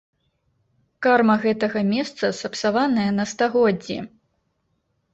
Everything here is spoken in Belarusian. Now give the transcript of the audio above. Карма гэтага месца сапсаваная на стагоддзі.